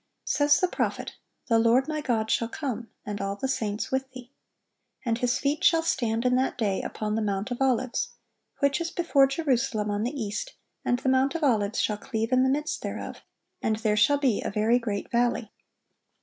Says the prophet: "The Lord my God shall come, and all the saints with Thee." "And His feet shall stand in that day upon the Mount of Olives, which is before Jerusalem on the east, and the Mount of Olives shall cleave in the midst thereof, ... and there shall be a very great valley."